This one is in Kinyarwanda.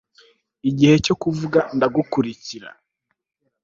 Igihe cyo kuvuga Ndagukurikira